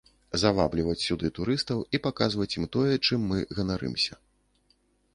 Завабліваць сюды турыстаў і паказваць ім тое, чым мы ганарымся.